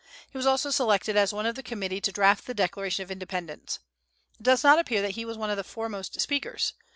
He was also selected as one of the committee to draft the Declaration of Independence. It does not appear that he was one of the foremost speakers.